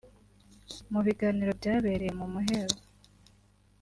mu biganiro byabereye mu muhezo